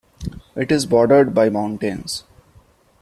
It is bordered by mountains.